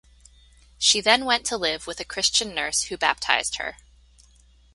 She then went to live with a Christian nurse who baptized her.